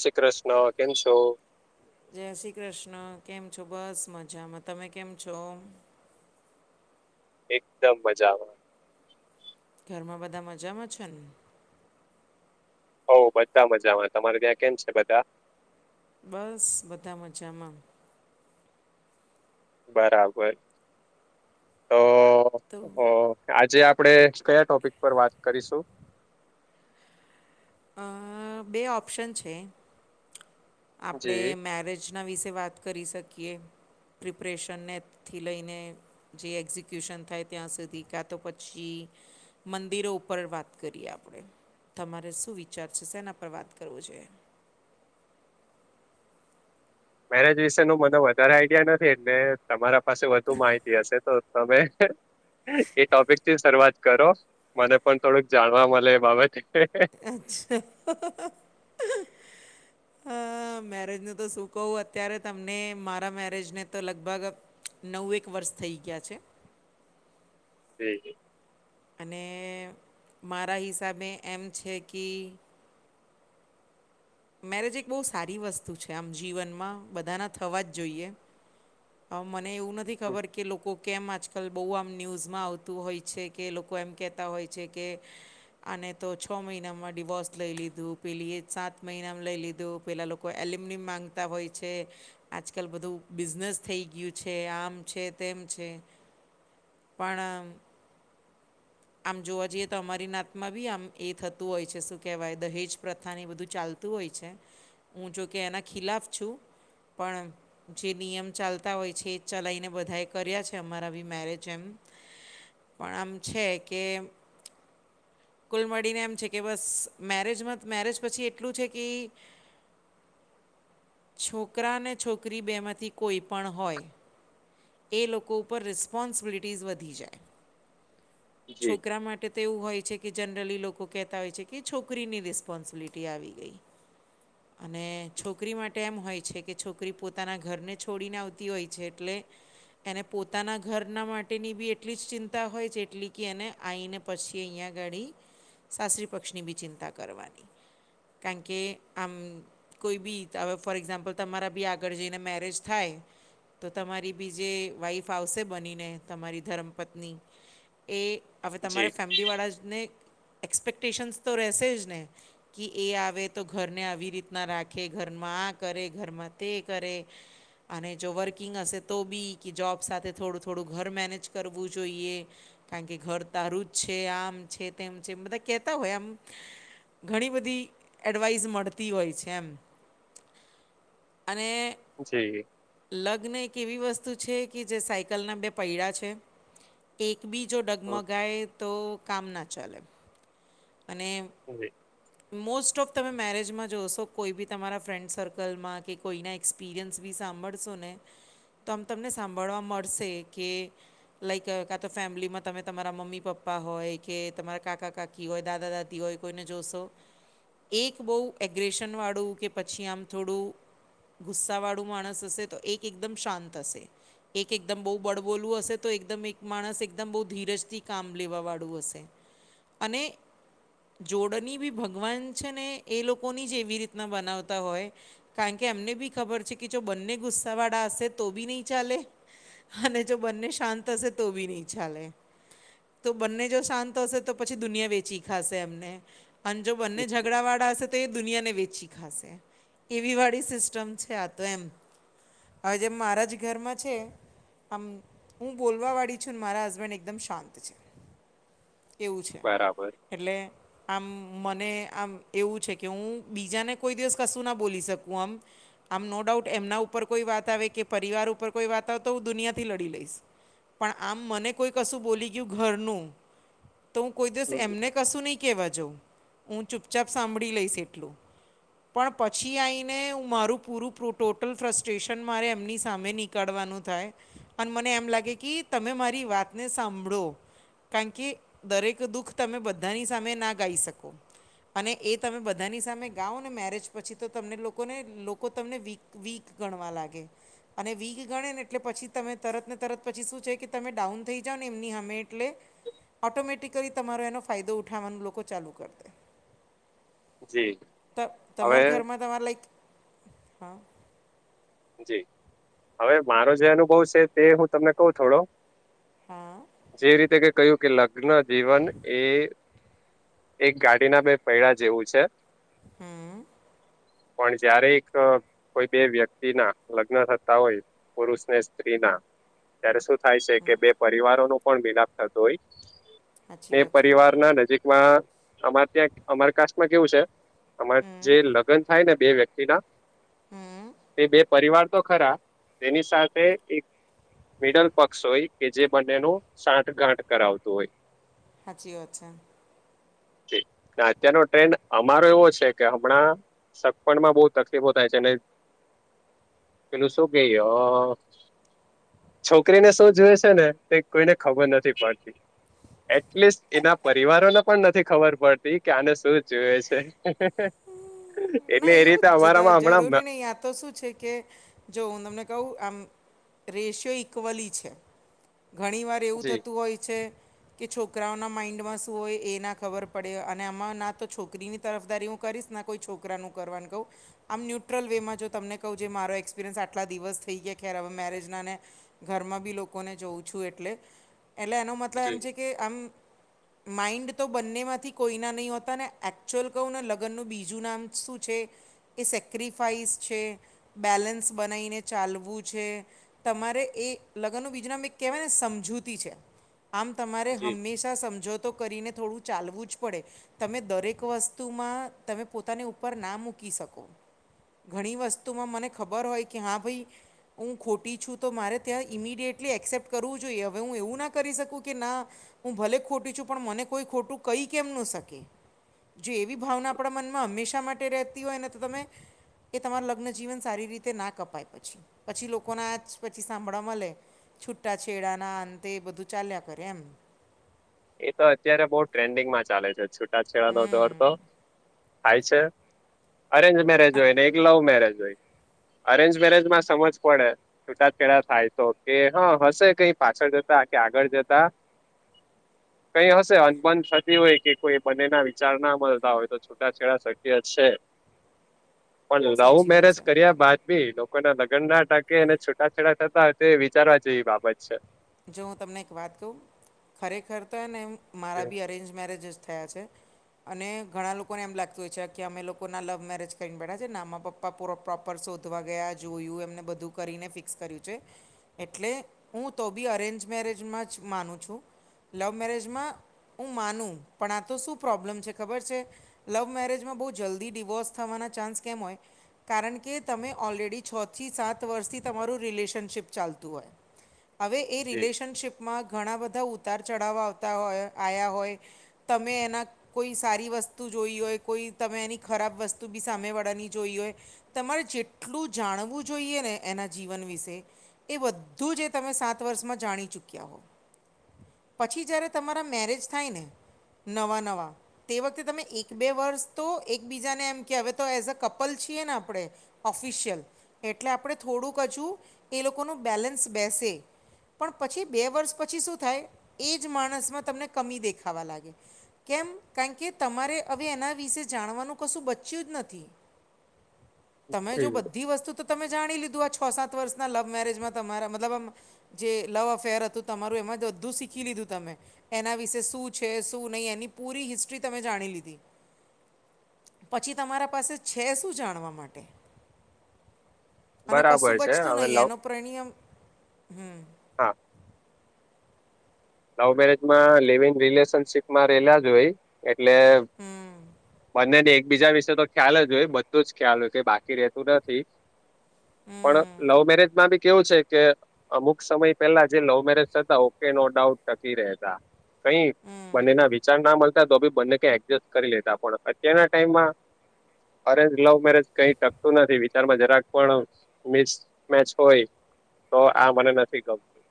શ્રી કૃષ્ણ કેમ છો? જય શ્રી કૃષ્ણ. કેમ છો? બસ મજામાં. તમે કેમ છો? એકદમ મજામાં. ઘરમાં બધા મજામાં છે ને? હઉ બધા મજામાં. તમારે ત્યાં કેમ છે બધા? બસ બધા મજામાં. બરાબર તો તો અ આજે આપડે કયા ટોપિક પર વાત કરીશું. અ બે ઓપ્શન છે આપડે જી મેરેજ ના વિશે વાત કરી શકીએ પ્રિપ્રેશનનેથી લઈને જે એક્ઝિક્યુશન થાય ત્યાં સુધી કાં તો પછી મંદિરો ઉપર વાત કરીએ આપડે તમારે શું વિચાર છે સેના પર વાત કરવો જોઈએ. મેરેજ વિશે નું મને વધારે આઈડિયા નથી એટલે તમારા પાસે વધુ માહિતી હશે. તો તમે. એ ટોપિક થી શરૂઆત કરો મને પણ થોડુંક જાણવા મલે એ બાબતે. અચ્છા હા હા હા. મેરેજ નું તો શું કવું અત્યારે તમને મારા મેરેજ ને તો લગભગ નઉએક વર્ષ થઈ ગ્યા છે. એ [unintelligible] અને મારા હિસાબે એમ છે કી મેરેજ એક બહુ સારી વસ્તુ છે આમ જીવનમાં બધાના થવા જ જોઈએ. હ મને એવું નથી ખબર કે લોકો કેમ આજકાલ બહુ આમ ન્યૂઝમાં આવતું હોય છે, કે લોકો એમ કહેતા હોય છે, કે અને તો છ મહિનામાં ડીવોર્સ લઈ લીધું પેલી એ સાત મહિનામાં લઈ લીધું પહેલાં એલ્યુમિનિયમ માગતા હોય છે આજકાલ બધું બિઝનેસ થઈ ગયું છે, આમ છે, તેમ છે. પણ આમ આમ જોવા જઈએ તો અમારી નાતમાં બી આમ એ થતું હોય છે, શું કેહેવાય દહેજ પ્રથા ને એ બધું ચાલતું તું હોય છે, હું જોકે એના ખિલાફ છું, પણ જે નિયમ ચાલતા હોય છે, એ ચલાવીને બધાએ કર્યા છે, અમારા બી મેરેજ એમ પણ આમ છે, કે કુલ મળીને એમ છે, કે બસ મેરેજમાં મેરેજ પછી એટલું છે, કે [inaudible] છોકરા ને છોકરી બેમાંથી કોઈ પણ હોય એ લોકો ઉપર રિસ્પોન્સિબિલિટીઝ વધી જાય. જી છોકરા માટે એ તે એવું હોય છે, કે જનરલી લોકો કહેતા હોય છે, કે છોકરીની રિસ્પોન્સિબિલિટી આવી ગઈ. [inaudible] અને છોકરી માટે એમ હોય છે, કે છોકરી પોતાના ઘરને છોડીને આવતી હોય છે, એટલે એને પોતાના ઘરના માટેની બી એટલી જ ચિંતા હોય છે, જેટલી કે અને આવીઈને પછી અહીંયા ગાળી સાસરી પક્ષની બી ચિંતા કરવાની કારણ કે આમ કોઈ બી હવે ફોર એક્ઝામ્પલ તમારા બી આગળ જઈને મેરેજ થાય તો તમારી બીજે વાઈફ આવશે બનીને તમારી ધરમપત્ની એ હવે જી તમારે ફેમિલીવાળા જને એક્સપેક્ટેશન્સ તો રહેશે જ ને કે એ આવે તો ઘરને આવી રીતના રાખે ઘરમાં આ કરે ઘરમાં તે કરે અને જો વર્કિંગ હશે તો બી કે જોબ સાથે થોડું થોડું ઘર મેનેજ કરવું જોઈએ કારણ કે ઘર તારું જ છે, આમ છે તેમ છે, મતલબ કેતા હોય આમ ઘણી બધી એડવાઈસ મળતી હોય છે, એમ અને જી લગ્ન એક એવી વસ્તુ છે, કે જે સાયકલના બે પૈડા છે. બીજો હમ, ડગમગાય તો કામ ના ચાલે અને હુ કેય મોસ્ટ ઓફ તમે મેરેજમાં જોશો કોઈ બી તમારા ફ્રેન્ડ સર્કલમાં કે કોઈના એક્સપિરિયન્સ બી સાંભળશો ને તો આમ તમને સાંભળવા મળશે કે લાઈક કાં તો ફેમિલીમાં તમે તમારા મમ્મી પપ્પા હોય કે તમારા કાકા કાકી કી હોય દાદા દાદી હોય કોઈને જોશો એક બહુ એગ્રસનવાળું કે પછી આમ થોડું ગુસ્સાવાળું માણસ હશે તો એક એકદમ શાંત હશે એક એકદમ બહુ બળબોલવું હશે તો એકદમ એક માણસ એકદમ બહુ ધીરજથી કામ લેવાવાળું હશે અને જોડની બી ભગવાન છે, ને એ લોકોની જ એવી રીતના બનાવતા હોય. કારણ કે એમને બી ખબર છે, કે જો બંને ગુસ્સાવાળા હશે તો બી નહીં ચાલે. અને જો બંને શાંત હશે તો બી નહી ચા લે તો બંને જો શાંત હશે તો પછી દુનિયા વેચી ખાશે એમને અને જો બંને ઝંગડાવાળા હશે તો એ દુનિયાને વેચી ખાશે, એવી વાળી સિસ્ટમ છે આ તો એમ અ.. જે મારા જ ઘરમાં છે આમ, હું બોલવાવાળી છું ને, મારા હસબેન્ડ એકદમ શાંત છે. એવું છે, બરાબર એટલે આમ, મને આમ એવું છે કે, હું બીજાને કોઈ દિવસ કશું ના બોલી શકું આમ આમ, નો ડાઉટ એમના ઉપર કોઈ વાત આવે કે, પરિવાર ઉપર કોઈ વાત આવે, તો હું દુનિયાથી લડી લઈશ. પણ આમ મને કોઈ કશું બોલી ગયું ઘરનું તો હું કોઈ દિવસ હમ, એમને કશું નહીં કહેવા જાઉં, હું ચૂપચાપ સાંભળી લઈશ એટલું પણ પછી આઈ ને મારું પૂરું ટોટલ ફ્રસ્ટ્રેશન મારે એમની સામે નીક કાળવાનું થાય અને મને એમ લાગે કે તમે મારી વાતને સાંભળો કારણ કે, દરેક દુઃખ તમે બધાની સામે ના કાહિ શકો અને એ તમે બધાની સામે ગાઓ ને મેરેજ પછી તો તમને લોકોને, લોકો તમને વીક વીક ગણવા લાગે. અને વીક ગણે ને એટલે પછી તમે તરત ને તરત પછી શું છે કે, તમે ડાઉન થઈ જાઓ ને એમની હામે એટલે ઓટોમેટિકલી તમારો એનો ફાયદો ઊઠવાનું લોકો ચાલુ કર દે જી ત, હવે તમાર ઘરમાં તમારે લાઈક, હા જી, હવે મારો જે અનુભવ છે, તે હું તમને કઉ થોડો હા જે રીતે કે કહ્યું કે, લગ્ન જીવન એ એક ગાડીના બે પૈડા જેવું છે. હમ પણ જયારે એક.. કોઈ બે વ્યક્તિ ના લગ્ન થતા હોય, પુરુષને સ્ત્રી ના ત્યારે શું- થાય સે કે બે પરિવારો નું પણ મિલાપ થતું હોય, સાચી બે વાત છે પરિવાર ના નજીક માં, અમાર ત્યાં અમાર કાસ્ટમાં કેવું છે અમારે હમ જે લગન થાય ને બે વ્યક્તિ ના હમ્મ એ બે પરિવાર તો ખરા, તેની સાથે એક મિડલ પક્ષ હોય કે, જે બંને નો સાંઠ ગાંઠ કરાવતું હોય. હાચી વાત છે. ને અત્યારનો ટ્રેન્ડ અમારો એવો છે, કે હમણાં સગપણ માં બઉ તકલીફો થાય છે ને પેલું શું કે ય... છોકરીને શું જોઈએ છે ને, એ કોઈને ખબર નથી પડતી એટલીસ્ટ એના પરિવારોને પણ નથી ખબર પડતી કે, આને શું જોઇએ છે. એટલે ના, એ રીતે એવું અમારામાં જ જરૂરી હમણાં નહી, આ તો શું છે કે જો, હું તમને કહું આમ રેશિયો ઈક્વલી છે, ઘણી વાર એવું જી થતું હોય છે. કે છોકરાઓના માઈન્ડમાં શું હોય, એ ના ખબર પડે અને આમાં ના તો છોક કરીની તરફદારી હું કરીશ, ના કોઈ છોકરાનું કરવાનું કહું. આમ ન્યુટ્રલ વે માં જો તમને કહું, જે મારો એક્સપિરિયન્સ આટલા દિવસ થઈ ગયા, ખેર હવે મેરેજના ને ઘરમાં બી લોકોને જોઉં છું, એટલે એટલે એનો મતલબ એમ જી છે કે, આમ માઇન્ડ તો બંને માંથી કોઈના નહીં હોતા ને એકચુઅલ કહું ને લગન નું બીજું નામ શું છે, એ સેક્રિફાઈસ છે. બેલેન્સ બનાઈને ચાલવું છે તમારે એ લગન નું બીજું નામ એક કહેવાય ને સમજૂતી છે આમ તમારે જી હંમેશા સમજોતો કરીને થોડું ચાલવું જ પડે તમે દરેક વસ્તુમાં તમે પોતાની ઉપર ના મૂકી શકો ઘણી વસ્તુમાં મને ખબર હોય કે હા ભઈ હું ખોટી છું તો મારે ત્યાં ઇમિડિયેટલી એક્સેપ્ટ કરવું જોઈએ હવે હું એવું ના કરી શકું કે ના હું ભલે ખોટી છું પણ મને કોઈ ખોટું કઈ કેમ ન શકે જો એવી ભાવના આપણા મનમાં હંમેશા માટે રહેતી હોય ને તો તમે એ તમાર લગ્નજીવન સારી રીતે ના કપાય પછી પછી લોકોના આ જ પછી સાંભળવા મલે છૂટા છેડાના અંતે એ બધું ચાલ્યા કરે એમ એ તો અત્યારે બહુ ટ્રેન્ડિંગમાં ચાલે છે છૂટાછેડા ન દોર તો થાય છે અરેન્જ મેરેજ હોય ને એક લવ મેરેજ હોય અરેન્જ મેરેજમાં સમજ પડે છૂટા છેડા થાય તો કે હ હશે કઈ પાછળ જતા કે આગળ જતા કઈ હશે અનબન થતી હોય કે કોઈ બને ના વિચાર ના મળતા હોય તો છુટાછેડા શક્ય છે પણ લવ સાચી વાત મેરેજ છે કર્યા બાદ ભી લોકોના લગન ના ટકે એને છૂટાછેડા થતા હોય તો વિચારવા જેવી બાબત છે. જો હું તમને એક વાત કહું ખરેખર તો એને એમ મારા બી અરેન્જ મેરેજ જ થયા છે [inaudible] અને ઘણા લોકોને એમ લાગતું હોય છે કે અમે લોકો ના લવ મેરેજ કરીને બેઠા છે ને આમાં પપ્પા પૂરો પ્રોપર શોધવા ગયા જોયું એમને બધું કરીને ફિક્સ કર્યું છે એટલે હું તો બી અરેન્જ મેરેજમાં જ માનું છું લવ મેરેજમાં હું માનું પણ આ તો શું પ્રોબ્લેમ છે ખબર છે લવ મેરેજમાં બહુ જલ્દી ડિવોર્સ થવાના ચાન્સ કેમ હોય કારણ કે તમે ઓલરેડી છ થી સાત વર્ષથી તમારું રિલેશનશીપ ચાલતું હોય હવે એ જી રિલેશનશીપમાં ઘણા બધા ઉતાર ચઢાવ આવતા હોય આયા હોય તમે એના કોઈ સારી વસ્તુ જોઈ હોય કોઈ તમે એની ખરાબ વસ્તુ બી સામેવાળાની જોઈ હોય. તમારે જેટલું જાણવું જોઈએ ને એના જીવન વિશે એ બધું જ તમે સાત વર્ષમાં જાણી ચૂક્યા પછી જયારે તમારા મેરેજ થાય ને નવા નવા તે વખતે તમે એક બે વર્ષ તો એકબીજાને એમ કવે તો એઝ અ કપલ છીએ ને આપણે ઓફિશિયલ એટલે આપણે થોડું ક હજું એ લોકોનું બેલેન્સ બેસે પણ પછી બે વર્ષ પછી શું થાય એ જ માણસમાં તમને કમી દેખાવા લાગે. કેમ કારણ કે તમારે હવે એના વિશે જાણવાનું કશું બચ્યું જ નથી. [inaudible] તમે જો બધી વસ્તુ તો તમે જાણી લીધું આ છ સાત વર્ષના લવ મેરેજમાં તમારા મ મતલબમ જે લવ અફેર હતું તમારું એમાં જ બધું શીખી લીધું તમે. એના વિશે શું છે શું નહીં એની પૂરી હિસ્ટ્રી તમે જાણી લીધી. પછી તમારા પાસે છે શું જાણવા માટે અને બરાબર કશું છે બચતું હવે નહી લવ એનો પરણિયમ હમ્મ. હા લવ મેરેજમાં લવ ઇન રિલેશનશીપમાં રહેલા જ હોય એટલે બંનેને એકબીજા વિશે તો ખ્યાલ જ હોય બધું જ ખ્યાલ હોય કે બાકી રેતું નથી. પણ લવ મેરેજમાં બી કેવું છે કે અમુક સમય પેલા જે લવ મેરેજ થતા ઓકે નો ડાઉટ ટકી રહેતા. કઈ બંનેના વિચાર ના મળતા તો ભી બંને એડજસ્ટ કરી લેતા પણ અત્યારના ટાઈમમાં અરે લવ મેરેજ કઈ ટકતું નથી વિચારમાં જરાક પણ મિસ મેચ હોય તો આ મને નથી ગમતું.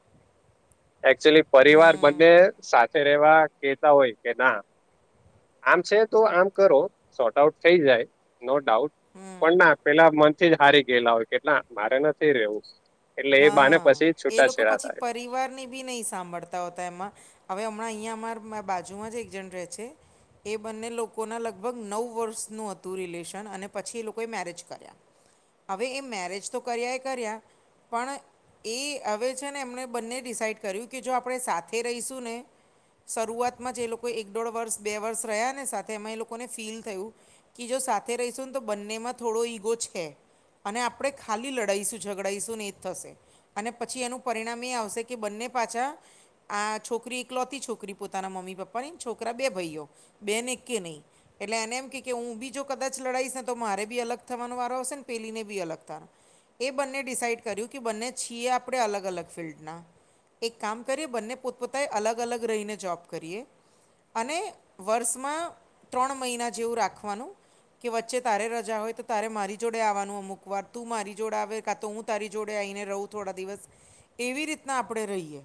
એકચુલી પરિવાર બંને સાથે રહેવા કહેતા હોય કે ના આમ છે તો આમ કરો, શોર્ટ આઉટ થઈ જાય. નો ડાઉટ પણ ના પેલા મનથી જ હારી ગયેલા હોય કે ના મારે નથી રહેવું. હા એ લોકો પછી થાય પરિવારની બી નહી સાંભળતા હોતા એમાં હવે હમણાં અહિયાં અમાર બાજુમાં જ એક જણ રહે છે એ બંને લોકોના લગભગ નવ વર્ષનું હતું રિલેશન અને પછી એ લોકોએ મેરેજ કર્યા. હવે એ મેરેજ તો કર્યા એ કર્યા પણ એ હવે છે ને એમણે બંને ડિસાઈડ કર્યું કે જો આપણે રહીશું ને શરૂઆતમાં જ એ લોકો એક દોઢ વર્ષ, બે વર્ષ રહ્યા ને સાથે એમાં એ લોકોને ફીલ થયું કે જો સાથે રહીશું ને તો બંનેમાં થોડો ઈગો છે અને આપણે ખાલી લડાઈશુ, ઝગડાઈશું નહી થશે અને પછી એનું પરિણામ એ આવશે કે બંને પાછા આ છોકરી એકલોતી છોકરી પોતાના મમ્મી પપ્પાની. છોકરા બે ભઈઓ. બેન એકે નહીં. એટલે એને એમ કે હું બી જો કદાચ લડાઈશ ને તો મારે બી અલગ થવાનો વારો આવશે ને પેલી ને બી અલગ થવાનો. એ બંને ડિસાઈડ કર્યું કે બંને છીએ આપણે અલગ અલગ ફિલ્ડના એક કામ કરીએ બંને પોતપોતાએ અલગ અલગ રહીને જોબ કરીએ અને વર્ષમાં ત્રણ મહિના જેવું રાખવાનું કે વચ્ચે તારે રજા હોય તો તારે મારી જોડે આવવાનું અમુક વાર તું મારી જોડે આવે કા તો હું તારી જોડે આઈને રહું થોડા દિવસ એવી રીતના આપણે રહીએ.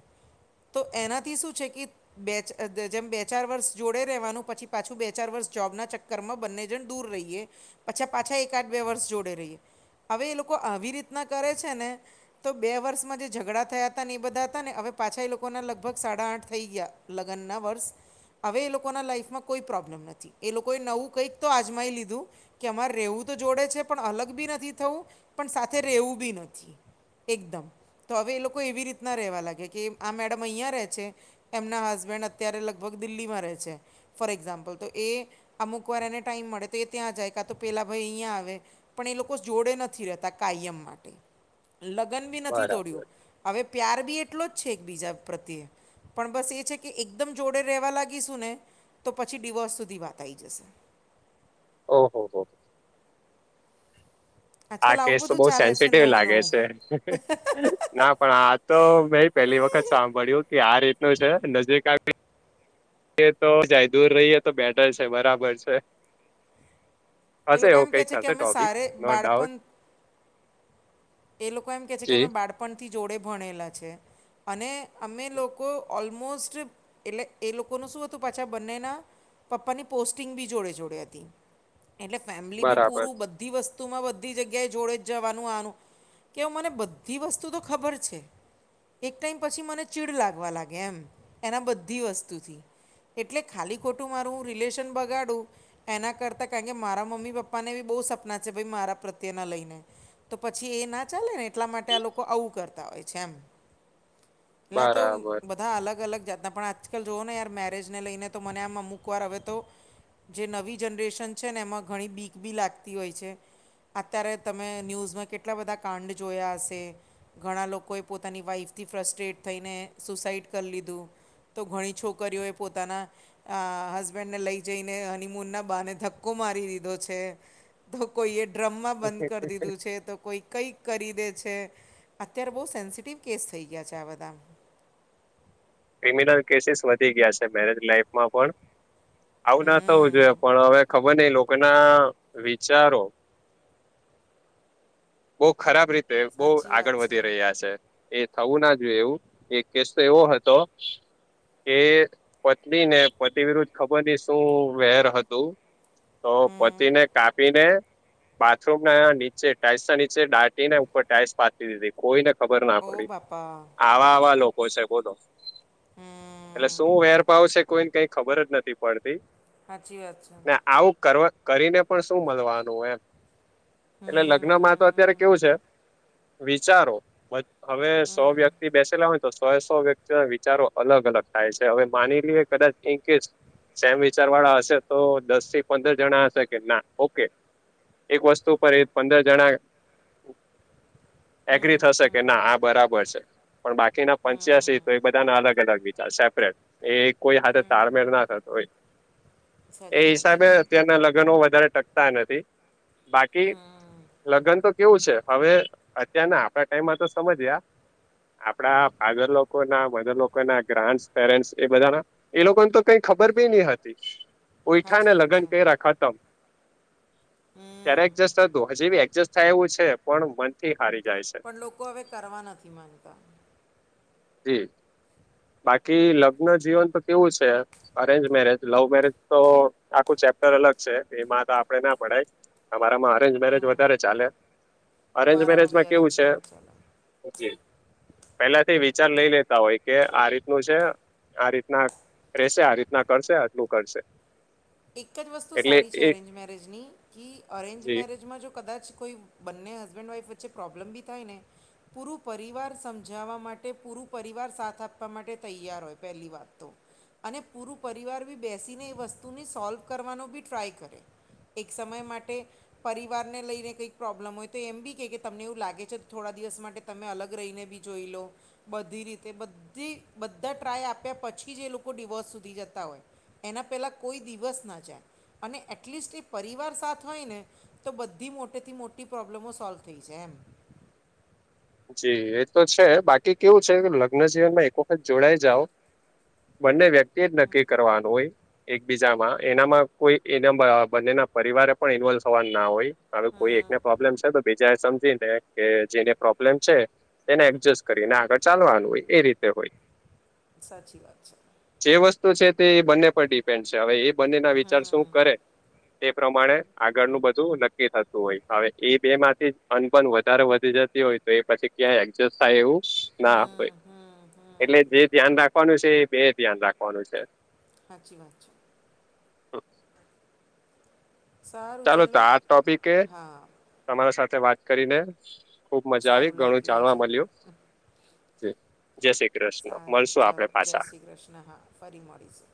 તો એના થી શું છે કી બે ચ અ ધ જેમ બે ચાર વર્ષ જોડે રવાનું પછી પાછું બે ચાર વર્ષ જોબના ચક્ક રમાં બંને જણ દૂર રહીએ પછી આ પાછા એકાદ બે વર્ષ જોડે રહીએ. હવે એ લોકો આવી રીતના કરે છે ને તો બે વર્ષમાં જે ઝઘડા થયા હતા એ બધા હતા ને હવે પાછા એ લોકોના લગભગ સાડા આઠ થઈ ગયા લગનના વર્ષ હવે એ લોકોના લાઈફમાં કોઈ પ્રોબ્લેમ નથી એ લોકોએ નવું કંઈક તો આજમાઈ લીધું કે અમારે રહેવું તો જોડે છે પણ અલગ ભી નથી થવું પણ સાથે રહેવું ભી નથી. એકદમ તો હવે એ લોકો એવી રીતના રહેવા લાગે કે આ મેડમ અહીયાં રહે છે એમના હસબેન્ડ અત્યારે લગભગ દિલ્હીમાં રહે છે. ફોર એક્ઝામ્પલ તો એ અમુક વાર એને ટાઈમ મળે તો એ ત્યાં જાય કાં તો પેલા ભઈ અહીંયા આવે. પણ એ લોકો જોડે નથી રહેતા કાયમ માં લગન ભી નથી તોડ્યું બરાબર હવે પ્યાર ભી એટલો જ છે એકબીજા પ્રત્યે. પણ બસ એ છે કે એકદમ જોડે રહેવા લાગીશું ને તો પછી ડિવોર્સ સુધી વાત આઈ જશે. ઓ હો હો. આ આજકાલ આવું કેસ તો બધું બઉ ચાલે છે સેન્સિટિવ નવું લાગે નવું છે. ના પણ આ તો મે એ પેહલી વખત સાંભળ્યું કે આ રીતનું નજીક આવી યે તો જાય દૂર રહીએ તો બેટર છે બરાબર છે. એ હશે લોકો એવું એમ કહે કઈક છે કે હશે અમે ટોપિક સારે નો ડાઉટ. બાળપણ એ લોકો એમ કે છે કે જી અમે બાળપણથી જોડે ભણેલા છે. અને અમે લોકો ઓલમોસ્ટ એટલે એ લોકોનું શું હતું પાછા બંનેના પપ્પાની પોસ્ટિંગ ભી જોડે જોડે હતી. એટલે ફેમિલી ભી બરાબર પૂરું બધી વસ્તુમાં બધી જગ્યાએ જોડે જ જવાનું આવવાનું. કે હ મને બધી વસ્તુ તો ખબર છે. એક પછી મને ચીડ લાગવા એમ એના બધી વસ્તુથી. એટલે ખાલી ખોટું મારું રિલેશન બગાડું એના કરતાં કારણ કે મારા પપ્પાને ભી બહુ સપના છે ભાઈ મારા પ્રત્યેના લઈને. તો પછી એ ના ચાલે ને એટલા માટે આ લોકો આવું કરતા હોય છે એમ. ના તો બરાબર બ બધા અલગ અલગ જાતના પણ આજકાલ જોઓ ને યાર મેરેજને લઈને તો મને આમ અમુક વાર હવે તો જે નવી જનરેશન છે ને એમાં ઘણી બીક બી લાગતી હોય છે. અત્યારે તમે ન્યૂઝમાં કેટલા બધા કાંડ જોયા હશે. ઘણા લોકોએ પોતાની વાઈફથી ફ્રસ્ટ્રેટ થઈને સુસાઈડ કર લીધું. તો ઘણી છોકરીઓ એ પોતાના આ હસબેન્ડ ને લઈ જઈને હનીમૂન ના બાને ધક્કો મારી દીધો છે. તો કોઈ એ ડ્રમમાં બંધ કરી દીધું છે કોઈ કઈ કરી દે છે અત્યારે બહુ સેન્સિટિવ કેસ થઈ ગયા છે આ બધા. ક્રિમિનલ કેસીસ વધી ગયા છે મેરેજ લાઈફમાં પણ આવું ના થવું જોઈએ હમ પણ હવે ખબર નઈ લોકો ના વિચારો બહુ ખરાબ રીત તે બહુ સાચી વાત આગળ છે વધી રહ્યા છે એ થવું ના જોઈએ એવું એક કેસ તો એવો હતો [inaudible] કે પત્ની ને પતિ વિરુદ્ધ ખબર નહીં શું વેર હતું ઓ હમ પતિને કાપીને બાથરૂમ ના નીચે ટાઈલ્સ ના નીચે ડાટી ને ઉપર ટાઈલ્સ પાતી દીધી કોઈને ખબર ના ઓ પડી બાપા આવા આવા લોકો છે બોલો. હમ્મ. એટલે શું વેરપાવ છે કોઈને કઈ ખબર જ નથી પડતી. સાચી વાત છે ને આવું કરવા કરીને પણ શું મલવાનું એમ એટલે હમ લગ્નમાં હમ તો અત્યારે હમ કેવું છે વિચારો વ હવે સો વ્યક્તિ બેસેલા હોય તો સો સો વ્યક્તિ વી વચારો અલગ અલગ થાય છે હવે માની લઈએ કદાચ ઇન કેસ સેમ વિચાર વાળા હશે તો દસ થી પંદર જણા હશે કે ના ઓકે એક વસ્તુ પર એ પંદર જણા એગ્રી હમ થશે કે હમ ના આ બરાબર છે પણ બાકીના પંચ્યાસી તો એક હમ બધા ના અલગ અલગ વિચાર સેપરેટ એ કોઈ હાથે તારમેર ના થતો હોય. એ સાચી વાત છે હિસાબે અત્યારના લગ્નો વધારે ટકતા નથી. બાકી હમ લગ્ન તો કેવું છે હવે અત્યારના પડા ટાઈમમાં તો સમજ્યા આપડા ફાધર લોકો ના બધા લોકોના ગ્રાન્ડસ પેટેન્ટસ એ બધા એ લોકોને તો કઈ ખબર બી નહીં હતી. ગોયઠાને સાચી વાત લગ્ન છે કર્યા ખતમ ત્યારે હમ એડજસ્ટ હતું હજી બી એડજેસ્ટ થાય એવું છે પણ મનથી હારી જાય છે. પણ લોકો હવે કરવા નથી માંગતા. જી બાકી લગ્ન જીવન તો કેવું છે અરેન્જ મેરેજ લવ મેરેજ તો આખું ચેપ્ટર અલગ છે એમાં તો આપડે ના પડાય તમારામાં અરેંજ મેરેજ વધારે ચાલે અરેન્જ અમારામાં બી મેરેજમાં કેવું અરેન્જ છે મેરેજ ચાલે જી પેલાથી વિચાર લઈ લેતા હોય કે આ રીતનું છે આ રીતના રેશે આ રીતના કરશે આટલું કરશે એક જ વસ્તુ એટલે સારી છે એ અરેન્જ મેરેજની કી અરેંજ જી મેરેજ માં જો કદાચ કોઈ બંને હસબેન્ડ વાઇફ વચ્ચે પ્રોબ્લેમ બી થાય ને પૂરું પરિવાર સમજાવવા માટે પૂરું પરિવાર સાથ આપવા માટે તૈયાર હોય પહેલી વાત તો. અને પૂરું પરિવાર બી બેસીને એ વસ્તુને સોલ્વ કરવાનો બી ટ્રાય કરે. એક સમય માટે પરિવારને લઈને કંઈક પ્રોબ્લેમ હોય તો એમ બી કે કે તમને એવું લાગે છે થોડા દિવસ માટે તમે અલગ રહીને બી જોઈ લો. બધી રીતે બધી બધા ટ્રાય આપ્યા પછી જ એ લોકો ડિવોર્સ સુધી જતા હોય. એના પહેલા કોઈ દિવસ ના જાય અને એટલીસ્ટ એ પરિવાર સાથ હોય ને તો બધી મોટે થી મોટી પ્રોબ્લેમો સોલ્વ થઈ જાય એમ. જી એ તો છે બાકી કેવું છે લગ્ન જવનમાં એક વખત જોડાઈ જાઓ બંને વ્યક્તિ એજ નક્કી કરવાનું હોય. એકબીજામાં એનામાં કોઈ એના બ બંનેના પરિવારે પણ ઇન્વોલ્વ થવાનું ના હોય. હવે કોઈ હમ એકને પ્રોબ્લેમ છે તો બીજા એ સમજી ને કે જેને પ્રોબ્લેમ છે એને એડજસ્ટ કરીને આગળ ચાલવાનું હોય એ રીતે હોય. સાચી વાત છે. જે વસ્તુ છે તે એ બંને પર ડિપેન્ડ છે હવે એ બંનેના વિચાર શું હમ કરે તે પ્રમાણે આગળનું બધું નક્કી થતું હોય હવે એ બે માંથી જ અનબન વધારે વધી જ તી હોય તો એ પછી ક્યાં એજસ્ટ થાય એવું ના હોય હમ હમ હમ. એટલે જે ધ્યાન રા ખવાનું છે એ બે એ ધ્યાન રાખવાનું છે. હાચી વાત છે. સારુ ચાલો તો ચલો આ ટોપિકે હા. તમારા સાથે વાત કરીને ખુબ મજા આવી સારું ઘણું લાગ્યું જાણવા આજે મલ્યું. છે જય શ્રી સારું મળશું ચલો આપડે જય પાછા શ્રી કૃષ્ણ હા ફરી મળીશું.